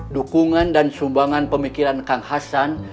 dukungan dan sumbangan pemikiran kang hasan